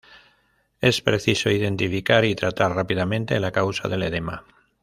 Es preciso identificar y tratar rápidamente la causa del edema.